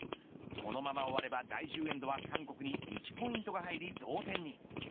このまま終われば第１０エンドは韓国に１ポイントが入り同点に。